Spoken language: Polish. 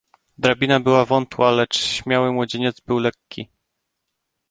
"Drabina była wątła, lecz śmiały młodzieniec był lekki."